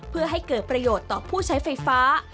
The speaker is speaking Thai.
เพื่อให้เกิดประโยชน์ต่อผู้ใช้ไฟฟ้า